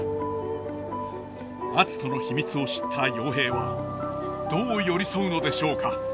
篤人の秘密を知った陽平はどう寄り添うのでしょうか。